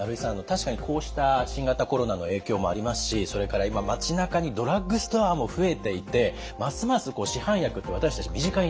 確かにこうした新型コロナの影響もありますしそれから今町なかにドラッグストアも増えていてますます市販薬って私たち身近になっていると。